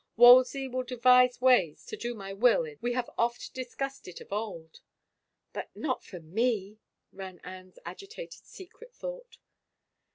... Wolsey will devise ways to do my will in this ... we have oft discussed it of old." *' But not for me! " ran Anne's agitated secret thought.